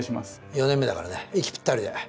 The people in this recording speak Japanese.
４年目だからね息ぴったりで。